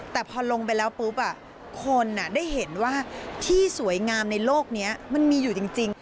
แต่พอลงไปแล้วปุ๊บคนได้เห็นว่าที่สวยงามในโลกนี้มันมีอยู่จริง